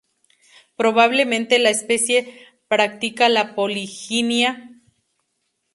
Probablemente la especie practica la poliginia.